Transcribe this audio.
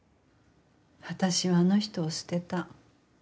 私はあの人を捨てた。